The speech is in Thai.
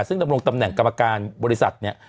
ซึ่งดำรงตำแหน่งกรรมการบริษัทเนี่ย